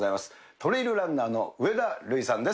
トレイルランナーの上田瑠偉さんです。